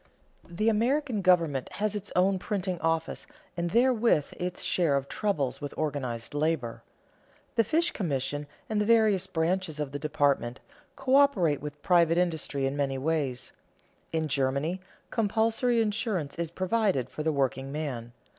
The American government has its own printing office and therewith its share of troubles with organized labor. The fish commission, and the various branches of the department, coöperate with private industry in many ways. In Germany, compulsory insurance is provided for the workingman.